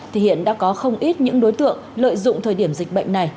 thì hiện đã có không ít những đối tượng lợi dụng thời điểm dịch bệnh này